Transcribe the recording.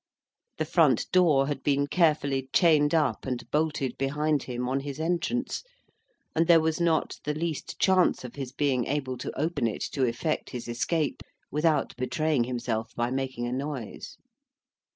The front door had been carefully chained up and bolted behind him on his entrance; and there was not the least chance of his being able to open it to effect his escape, without betraying himself by making a noise.